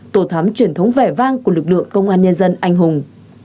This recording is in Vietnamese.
tổ thắm truyền thống vẻ vang của lực lượng công an nhân dân anh hùng